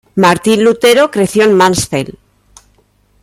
Martín Lutero creció en Mansfeld.